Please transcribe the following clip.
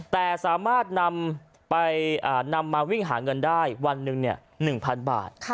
แต่สามารถนำไปนำมาวิ่งหาเงินได้วันหนึ่ง๑๐๐๐บาท